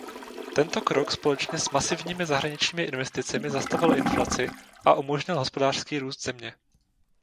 Tento krok společně s masivními zahraničními investicemi zastavil inflaci a umožnil hospodářský růst země.